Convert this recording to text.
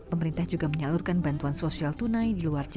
pemerintah juga menyalurkan bantuan sosial tunai di luar jawa